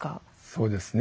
そうですね